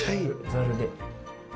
ざるで。